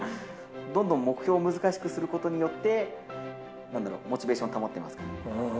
どんどん目標を難しくすることによって、なんだろう、モチベーション保ってますかね。